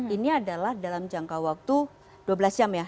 ini adalah dalam jangka waktu dua belas jam ya